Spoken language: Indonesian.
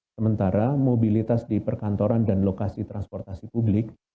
sementara mobilitas di perkantoran dan lokasi transportasi publik